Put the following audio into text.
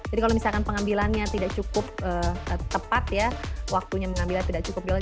jadi kalau misalkan pengambilannya tidak cukup tepat ya waktunya mengambilnya tidak cukup jauh